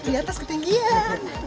di atas ketinggian